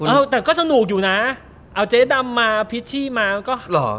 เอ้าแต่ก็สนุกอยู่นะเอาเจ๊ดำมาพิชชี่มาก็หรอ